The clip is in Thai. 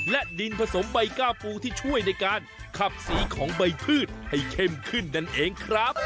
และดินผสมใบก้าปูที่ช่วยในการขับสีของใบพืชให้เข้มขึ้นนั่นเองครับ